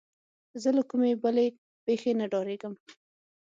زه له کومې بلې پېښې نه ډارېدم.